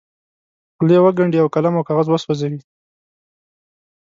خولې وګنډي او قلم او کاغذ وسوځوي.